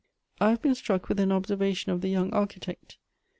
"I have been struck with an observation of the young architect.